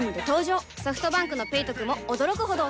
ソフトバンクの「ペイトク」も驚くほどおトク